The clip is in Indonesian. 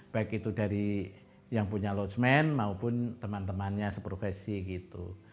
baik itu dari yang punya loadman maupun teman temannya seprofesi gitu